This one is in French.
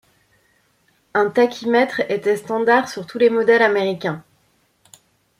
Un tachymètre était standard sur tous les modèles américains.